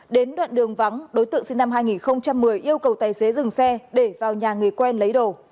đến đoạn đường vắng đối tượng sinh năm hai nghìn một mươi yêu cầu tài xế dừng xe để vào nhà người quen lấy đồ